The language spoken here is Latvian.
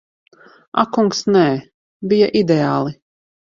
Ak kungs, nē. Bija ideāli.